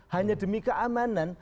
hanya demi keamanan